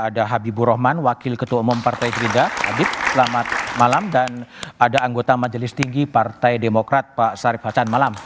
dan ada anggota majelis tinggi partai demokrat pak sarif hacan malam